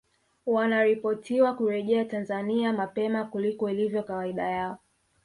Wanaripotiwa kurejea Tanzania mapema kuliko ilivyo kawaida yao